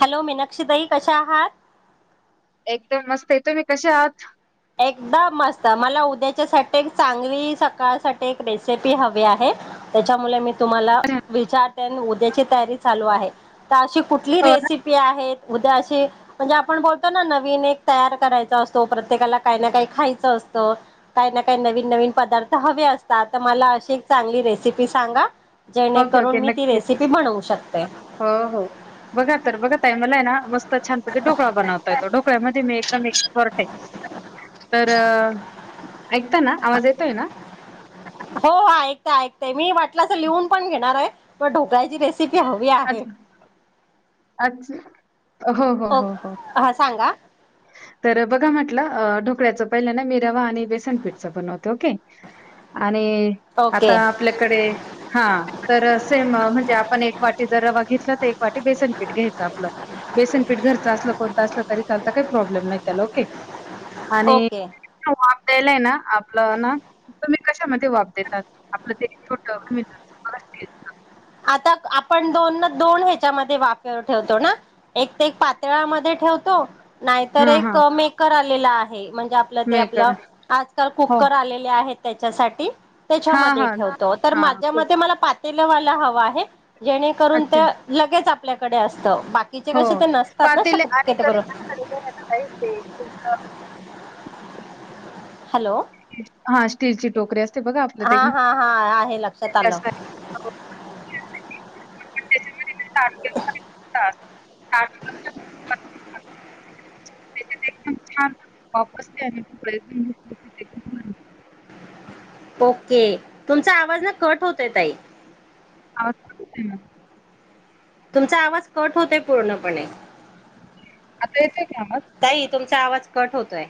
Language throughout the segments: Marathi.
हॅलो मीनाक्षीताई कशा आहात एकदम मस्त येतो मी कसे आहात एकदम मस्त मला उद्याच्या साठी चांगली सकाळसाठी एक रेसिपी हवी आहे. त्याच्यामुळे मी तुम्हाला विचारते आणि उद्याची तयारी चालू आहे. तर अशी कुठली हो ना रेसिपी. उद्या म्हणजे आपण बोलतो ना नवीन एक तयार करायचा असतो प्रत्येकाला. काही ना काही खायचं असतं. काही ना काही नवीन नवीन पदार्थ हवे असतात तर मला अशी एक चांगली रेसिपी सांगा. ओके जेणेकरून ओके मी ती नक्कीच रेसिपी बनवू शकते. हो हो बघा तर बघा तय मला आहे ना मस्त. छान पद्धतीने ढोकळा बनवता येतो ढोकळ्यामध्ये मी एकदम एक्सपर्ट आहे. तर ऐकताना आवाज येतोय ना. हो ऐकतय ऐकतेय मी वाटलं तर लिहून पण घेणार आहे प ढोकळ्याची रेसिपी हवी आहे. अच्छा अच्छा हो हो ओ हो हो हा सांगा तर बघा म्हटलं ढोकळ्याचं पहिल्या ना मी रवा आणि बेसनपीठच बनवते ओके. आणि. आता ओके आपल्याकडे हा तर सेम म्हणजे आपण एक वाटी जर रवा घेतलं तर. एक वाटी बेसनपीठ घ्यायचं आपलं. बेसनपीठ घरचं असलं कोणत असलं तरी चाल काही प्रॉब्लेम नाही त्याला ओके. ओके. हॉटेल आहे ना आपलं ना. तुम्ही कशामध्ये वाब देतात आपलं ते टं. आता आपण दोन ना दोन ह्याच्यामध्ये वापर ठेवतो ना. एक ते एक पातळामध्ये ठेवतो. नाहीतर हां, एक हां. मेकर आलेला आहे म्हणजे आपलं ते मेकर आपलं आजकाल हो. कुकर आलेलं. ते आहेत त्याच्यासाठी हां, त्याच्यामध्ये हां. ठेवतो तर हां, खूप माझ्यामध्ये मला पातेलं. जेणेकरून ते अच्छा. लगेच आपल्याकडे असत. हो पातीलील आणि तर तुमच्याडे ना का ते. हॅलो. हा स्टीलची टोकरी असते बघा आपलं ते हा घस. हा हा आहे लक्षात आलं त्याच्यामध्ये ते ताट केलं की ताट ताट एकम छान वापस घेण्याचा प्रयत्न. ओके तुमचा आवाज ना कट होतय ताई. ह हम्. तुमचा आवाज कट होतय पूर्णपणे. आता येतय का आवाज. ताई तुमचा आवाज कट होतोय.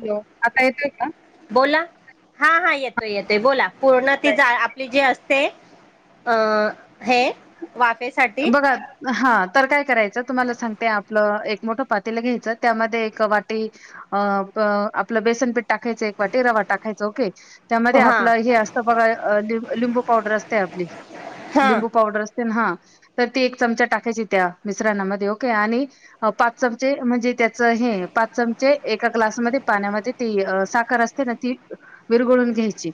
हॅलो आता येतोय का. बोला हा हा येतोय येतोय बोला पूर्ण ती जा आपली जी असते. अ हे. वाफेसाठी. बघा. हा तर काय करायचं तुम्हाला सांगते आपलं एक मोठं पातील घ्यायचं त्यामध्ये एक वाटी. अ आपलं बेसनपीठ टाकायचं एक वाटी रवा टाकायचं ओके. त्यामध्ये हा आपलं हे असतं बघा ल लिंबू पावडर असते आपली हा लिंबू पावडर अस. हा तर ती एक चमचा टाकायची त्या मिश्रणामध्ये ओके आणि. अ पाच चमचे म्हणजे त्याच हे पाच चमचे एका ग्लासमध्ये पाण्यामध्ये. ती साखर असते ना ती विरगळून घ्यायची.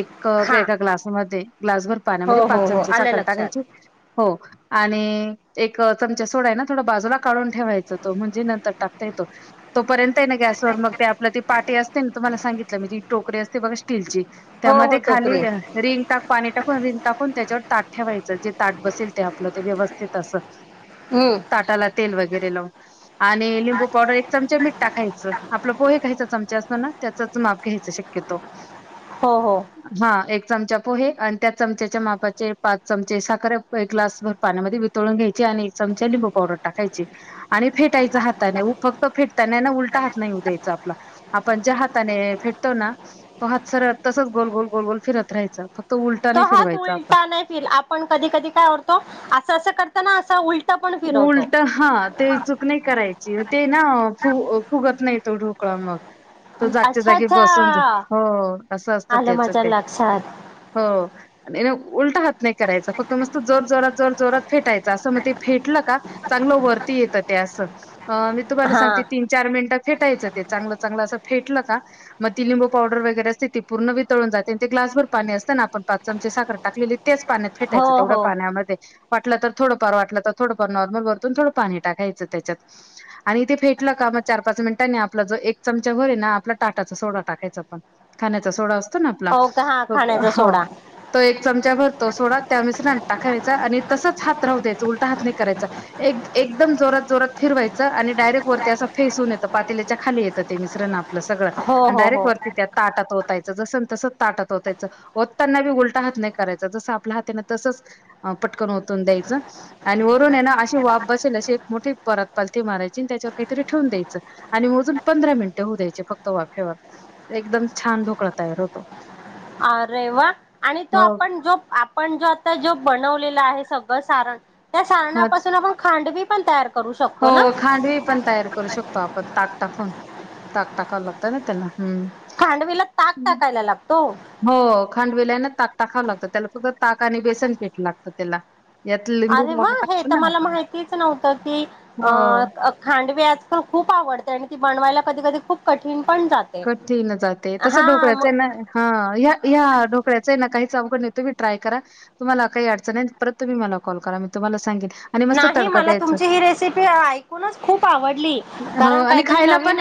एक हा एका ग्लासमध्ये ग्लासभर पाण्यामध्ये हो हो पाच हो चमचे आलं साखर लक्षात टाकायची हो. आणि एक चमचा सोडा आहे ना थोडा बाजूला काढून ठेवायच तो म्हणजे नंतर टाकता येतो. तोपर्यंत आहे ना गॅसवर मग ते आपलं ती पाटी असते ना तुम्हाला सांगितलं ना ती टोकरी असते बघा स्टीलची. हो हो त्यामध्ये खाली टोकरी रिंग टाक पाणी टाकून रिंग टाकून त्याच्यावर ताट ठेवायचं जे ताट बसेल ते. आपलं ते व्यवस्थित अस हम्म ताटाला तेल वगैरे लावून आणि लिंबू पावडर चमचा मिठा खायच आपलं पोहे काहीचा चमचा असतना त्याचाच माप घ्यायच शक्यतो हो हो हा एक चमचा पोहे आणि त्या चमचाच्या मापाचे पाच चमचे साखरे एक ग्लास भर पाण्यामध्ये वितळून घ्यायची आणि एक चमचा लिंबू पावडर टाकायचे आणि फेटायच हाताने फक्त फेट त्यांना ना उलटा हात नाही उद्यायचा आपला आपण ज्या हाताने भेटतो ना तो हात सर तसच गोल गोल गोलगोल फिरत राहाचं फक्त त उलटा नाही फेर उ नाहीि आपण कधी कधी कायतो अस करतना असल उलट हा ते चूक नाही करायची ते ना फु फुगत नाही तोढूक क मग तो जागच्या अच्छा जागी बसून अच्छा हो असं असतं आलं त्याच माझ्या ते लक्षात हो आणि उलटा हात नाही करायचा फक्त मस्त जोर जोरात जोर जोरात फेटायचा असं मग ते. फेटले का चांगलं वरती येत ते आस मी तुम्हाला हा सांगते. चार मिनिटं फेटायचं ते चांगलं चांगलं असं फेटलं का मग ती लिंबू पावडर वगैरे असते ती पूर्ण वळून जाते ते ग्लासर पाणी असताना आपण पाच चमचे साखर टाकलेली त्याच पाण्यात फेटायचं हो तेवढ्या हो पाण्यामध्ये वाटलं तर थोडंफार वाटलं तर थोडंफार नॉर्मल भरतून थोडं पाणी टाकायचं त्याच्यात आणि इथे फेटलं का मग चार पाच मिनिटांनी आपला जो एक चमचा भरे ना आपला टाटाचा सोडा टाकायचा पण खाण्याचा सोडा असतो ना आपला हो का हा खाण्याचा हो सोडा तो एक चमचा भरतो सोडा त्यानसरां टाकाायचा आणि तसच हात राहू द्यायच उलटा हात नाही करायचा एकदम जोरात जोरात फिरवायचं आणि डायरेक्ट वरती असं फेस होून येतं पातेल्याच्या खाली येतं ते मिश्र ना आपलं सगळं हो आणि, हो हो डायरेक्ट वरती त्या ताटात ओतायचं, जसं तसं ताटात वतायचं. हो त्यांना बी उलटा हात नाही, करायचा जसं आपल्या हात ना तसंच, पटकन होतून, द्यायचं आणि, ना अशी वाफ बसेल अशी, एक मोठी परात पालथी मारायची आणि त्याच्यावर काहीतरी ठेवून द्यायचं. आणि मोजून पंधरा मिनिटं होऊ, द्यायचे फक्त वाफेवर, एकदम छान, ढोकळा तयार होतो. अरेवा आणि, तो हो आपण जो, आपण जो आता जो बनवलेला आहे, सगळं सारण त्या हा सारणापासून आपण खांडवी पण तयार करत हो खांडवी पण, तयार करू शकतो. त आपण ताक टाकवून ताक टाकाव, लागतय ना त्यांना हम्, खांडवीला ताक, टाकायला लागतो? हो खांडविलाय ना ताक टाकाावं लागतं त्याला, फक्त ताक आणि बेसन पेट लागतं त्याला, यात लिंबू पावडर टाकतो, ना आपण, तीच नव्हत की अ, हो खांडवी आजकाल खूप आवडते, आणि ती बनवायला कधी कधी खूप कठीण पण जाते, कठीण जाते तसं, हा ठोकाऱ्याच मग आहे ना, हा या या ढोकळ्याचही, ना काही अवघड नाही तुमी ट्राय करा. तुम्हाला काही अडचण नाही, परत तुम्ही मला कॉल करा मी तुम्हाला सांगेल, नाही मला तुमची ही रेसिपी ऐकूनच खूप आवडली, कारण काहीतरी नवीन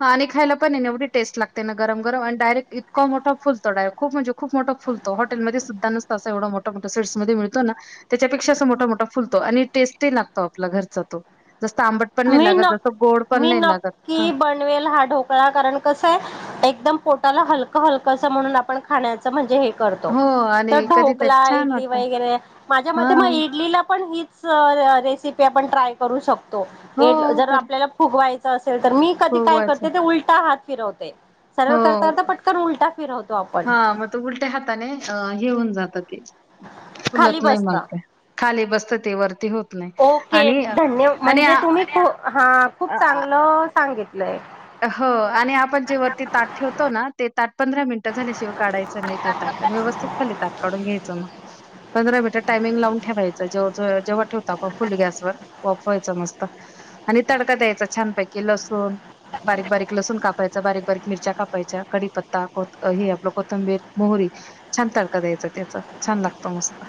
ह आणि खायला, पण एवढ टेस्ट लागते ना गरम गरम, डायरक्ट इतका मोठा फुलतोडारे खूप म्हजे, खूप मोठा फुतो हॉटेमध्ये सुध न तसा एवढा मोठ्या, मोठ्या सेट् मध्ये मिळतो ना, त्याच्यापेक्षा अस मोठा मोठा, फुलतो आणि टेस्ट लागतो, आपला घरचा तो जस्त आंबट पण नाही मी लागत जसं, गोड पण नाही लागत हा, दर वेळेला हा ढोकळा करणं कसं आहे, एकदम पोटाला हलका हलक असं म्हणून आपण, खाण्याच म्हणजे हे करतो, हो तर आणि कधीतरी ढोकला, छान इडली वाटतं वगैरे, माझ्या हा मते मग इडलीला पण ह रेसिपी आपण ट्राय करू शकतो, हो जर तर आपल्याला फुग वयच असेल तर मी कधी काय फुगवायचं करते ते उलटा, हात फिरवते सर्व हो करता, करता पटकन उलटा फिरवतो आपण, त उलट्या हाताने अ, घेऊन जात ते फुलत खाली नाही बसता म्हन्ते, खाली बसतते वरती होत. ओके आणि धन्य आणि म्हणजे आ- तुम्ही खू हा, खूप अ आ चांगलं सांगितलंय. हो आणि आपण जे वरती ताट ठेवतो ना, ते ताट पंधरा मिनिटं झाल्याशिवाय काढायचं नाही ते, व्यवस्थित खली त काढून घ्यायच, ना पंधरा मिनट टायमिंग लावून ठेवायचं जे, जेंव्हा ठेवता तेंव्हा फुल गॅस वर, वाफवायच मस्त आणि तडखा द्यायचा छान पैकी, लसूून बारीक, बारीक लसूण कापायच, कायच बारीक बारीक, मिरच्या कापायच्या कडीपत्ता, हे आपलं कोथंबीर मोहरी छान तडका द्यायचा, त्याचा छान लागतं मस्त,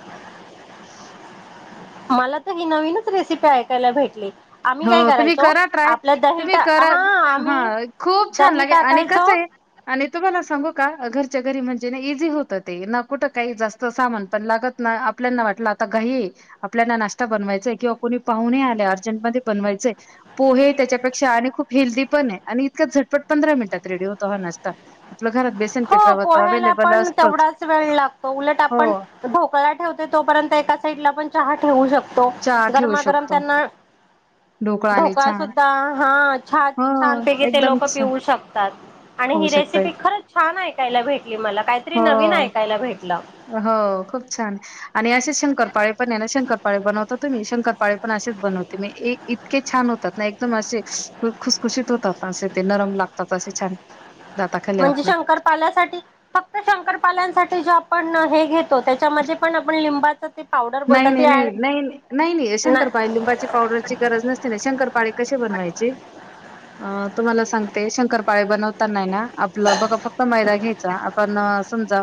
मला तर ही नवीनच, रेसिपी ऐकायला भेटली, आम्ही काय हो तुम्ही करायचो करा ट्राय आपल्या दही तुम्ही, टा करा हा आम्ही हा खूप छान दही लागेल आणि टाकायचो कस आहे, आणि तुम्हाला सांगू का, घरच्या घरी म्हणजे ना इझी होतं, ते न कुठं काही जास्त सामान पण लागत, आपल्याना वाटलं आता घाई, आपल्याना नाश्ता बनवायचाय, किंवा कुणी पाहु आले अर्जंटमध्ये बनवायचंय, पोहे त्याच्यापेक्षा आणि खूप हेल्दी पण आहे, आणि इतका झटपट पंधरा मिनिटात रेडी होतो हा नाश्ता, आपल्या घरात बेसन, पीठ हो रवा तर पोहायला अवेलेबल पण असतंच. तेवढाच वेळ, लागतो उलट हो, आपण ढोकळा ठेवते तोपर्यंत एका, साईड ला पण चहा ठेवू शकतो. चहा ठेवू गरमागरम शकतो. त्यांना, आणि ढोकळा चहा सुद्धा हा छान, हो, छानपैकी ते एकदम लोक छान पिऊ शकतात, आणि खाऊ ही शकताय. रेसिपी खरच छान ऐकायला भेटली मला, काहीतरी नवीन हो. ऐकायला भेटलं. हो खूप छान आणि असेच शंकरपाळे पण आहे ना शंकरपाळे बनवत तुम्ही. शंकरपाळे पण असेच बनव ते म इतके छान होतात ना एकदम असे खुसखुशीत होतात असे ते नरम लागतात असे छान. दाताखाली म्हणजे आपल्या. शंकरपाल्यासाठी, फक्त शंकरपाल्यांसाठी जो आपण हे घेत तो त्याच्यामध्ये पण आपण लिंबाचा नाही नाही नाही नाही नाही नाही ना शंकरपाळी लिंबाचे पावडर ची गरज नसते ना. शंकरपाळे कशी बनवायचे? तुम्हाला सांगते, शंकरपाळे बनवताना नई ना आपलं बघा फक्त मैदा घ्यायचा. आपण समजा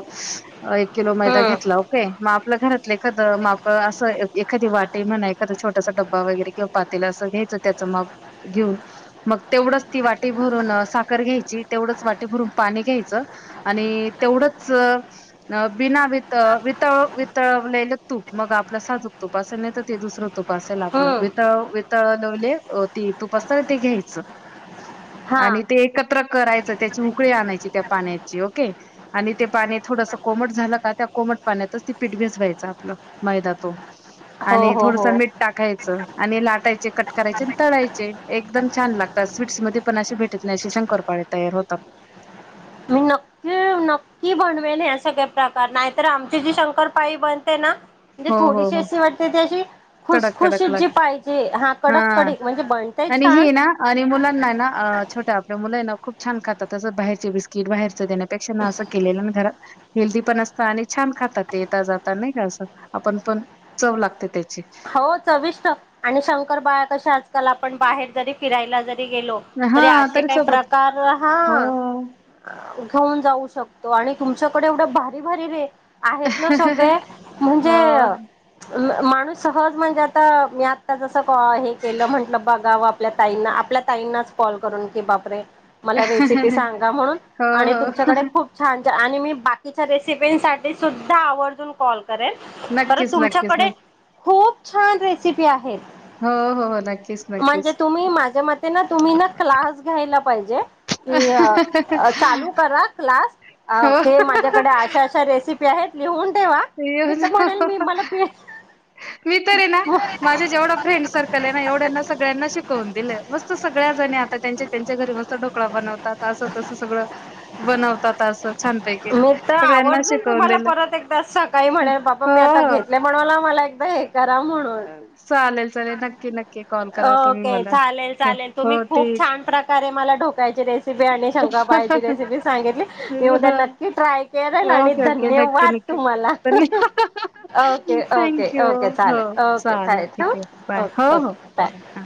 एक किलो मैदा हम्म घेतला. मग आपल घरातलं माप असं एखादी वाटी म्हणा एखादा छोटासा डब्बा वगैरे किंवा पातेल असं घ्यायचं त्याचं माप घेऊन मग तेवढंच ती वाटी भरून साखर घ्यायची, तेवढंच वाटी भरून पाणी घ्यायचं. आणि तेवढंच बिना वीत -वितळ वितळलेलं तूप मग आपलं साधूक तुपासेल नाही तर ते दुसरं तुप असेल आपलं हम्म वितल तळ लावले ते तूप असतना ते घ्यायचं. हा आणि ते एकत्र करायचं त्याची उकळी आणायची. त्या पाण्याची ओके आणि ते पाणी थोडंसं कोमट झालं का, त्या कोमट पाण्यातच ती पिठ भिजवायचं आपलं. मैदा तो, हो आणि हो थोडस हो मीठ टाकायचं आणि लाटायचे. कट करायचे आणि तळायचे एकदम छान लागतात. स्वीट्स मध्ये पण असे भेटत नाहीे शंकरपाळे तयार होतात. मी न नक्की नक्की बनवेल या सगळे प्रकार नाहीतर आमची जी शंकरपाळी बनते ना म्हणजे हो हो थोडीशी हो अशी वाटते ते अशी कडक खुसखुशी कडक जी लाग पाहिजे हा कडक कडक म्हणजे बनतय आणि छान. हे ना आणि मुलांना ना अ -छोट्या आपल्या मुलं हाय ना खूप छान खातात. असं बाहेरचे बिस्किट बाहेरच देण्या पेक्षा प्रत्यक्ष असं केलेलं घरात हेल्दी पण असतं आणि छान खातात ते येता जाता नाही का असं. आपण पण चव लागते त्याची. हो चविष्ट आणि शंकरपाळ्या कश्या आजकाल आपण बाहेर जरी फिरायला जरी गेलो तरी हां, असे काय सोबत प्रकार हो. हा. घेऊन जाऊ शकतो. आणि तुमच्याकडे एवढं भारी भारी रे आहेत ना सगळे. हो. म्हणजे म माणूस सहज म्हणजे आता मी आत्ता जसं कॉ हे केलं, म्हटलं बघावं आपल्या ताईंना आपल्या ताईंनाच कॉल करून की बापरे, मला रेसिपी सांगा म्हणून हो, आणि हो. तुमच्याकडे खूप छान आणि मी बाकीच्या रेसिपीसाठी सुद्धा आवर्जून कॉल [unintelligible] नक्कीच, नक्कीच, तुमच्याकडे नक्की. खूप छान रेसिपी आहेत. हो हो नक्कीच ना म्हणजे तुम्ही माझ्या मते ना तुम्ही ना क्लास घ्यायला पाहिजे. कि अ -चालू करा क्लास. हो. अ-हे माझ्याकडे अशा अशा रेसि पी आहेत लिहून ठेवा. मी तर येऊन म्हणेल मला मी तरी ना माझ्या जेवढा फ्रेंड सर्कल आहे ना एवढ्यांना सगळ्यांना शिकवून दिल. मस्त सगळ्या जणी आता त्यांचे त्यांच्या घरी मस्त ढोकळा बनवतात, असं तसं सगळं बनवतात असं छानपैकी मी तर सगळ्यांना आवर्जून शिकवून तुम्हाला दिलं. परत एकदा सकाळी म्हणे बाबा हो मी आता घेतले म्हणला मला हे करा म्हणून. हो चालेल चालेल नक्की नक्की कॉल करा तुम्ही ओके मला चालेल हो चालेल तुम्ही हो खूप ठीक छान प्रकारे मला ढोकळ्याची रेसिपी आणि शंकारपाळ्याची रेसिपी सांगितली. मी उद्या नक क्की ट्राय करेल आणि धन्यवाद तुम्हा [inaudible] ओके थँक्य यू ओके हो चालेल ओके चालेल ठेवू ठीक आहे बाय. हो ओके ओके हो बाय हा.